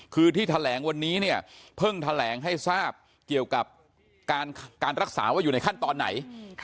คือที่แถลงวันนี้เนี่ยเพิ่งแถลงให้ทราบเกี่ยวกับการรักษาว่าอยู่ในขั้นตอนไหน